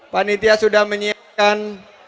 panitia sudah menyiapkan